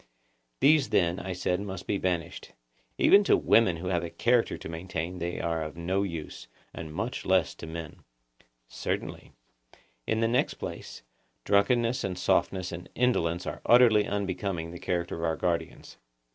These then, I said, must be banished; even to women who have a character to maintain they are of no use, and much less to men. Certainly. In the next place, drunkenness and softness and indolence are utterly unbecoming the character of our guardians.